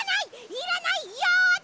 いらないよだ！